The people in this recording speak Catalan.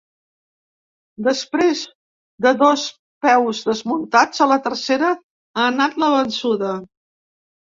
Després de dos peus desmuntats a la tercera ha anat la vençuda.